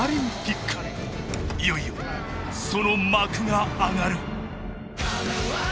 いよいよその幕が上がる！